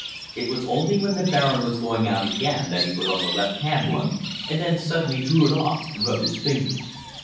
It was only when the Baron was going out again that he put on the left hand one, and then suddenly drew it off and rubbed his fingers.